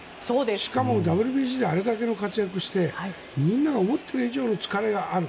しかもＷＢＣであれだけの活躍をしてみんなが思っている以上の疲れがある。